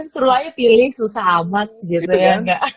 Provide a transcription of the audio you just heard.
seru aja pilih susah amat gitu ya